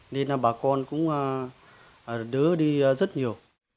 nên bà con cũng đứa đi rất nhiều